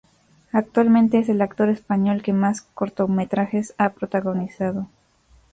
Actualmente es el actor español que más cortometrajes ha protagonizado.